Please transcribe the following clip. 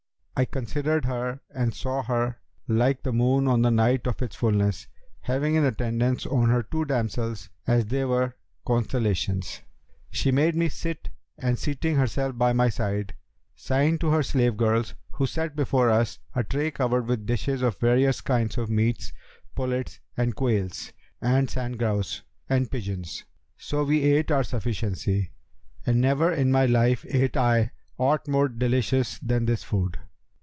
I considered her and saw her like the moon on the night of its fulness having in attendance on her two damsels as they were constellations. She made me sit and seating herself by my side, signed to her slave girls who set before us a tray covered with dishes of various kinds of meats, pullets and quails and sand grouse and pigeons. So we ate our sufficiency, and never in my life ate I aught more delicious than this food.